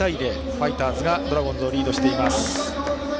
ファイターズがドラゴンズをリードしています。